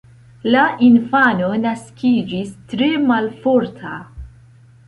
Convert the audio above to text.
La infano naskiĝis tre malforta.